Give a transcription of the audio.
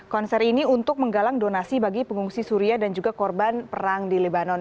konser ini untuk menggalang donasi bagi pengungsi suria dan juga korban perang di lebanon